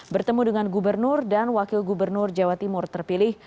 bertemu dengan gubernur dan wakil gubernur jawa timur terpilih